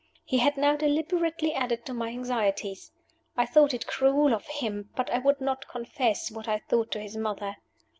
He had now deliberately added to my anxieties. I thought it cruel of him but I would not confess what I thought to his mother.